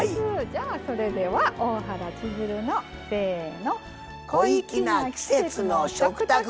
じゃあそれでは大原千鶴のせの「小粋な季節の食卓」。